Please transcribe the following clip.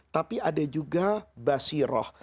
tapi ada juga basiroh